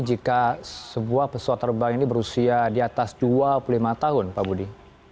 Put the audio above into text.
jika sebuah pesawat terbang ini berusia di atas dua puluh lima tahun pak budi